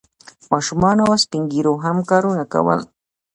ماشومانو او سپین ږیرو هم کارونه کول.